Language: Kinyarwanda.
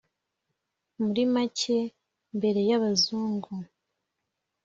Muri make, mbere y'Abazungu,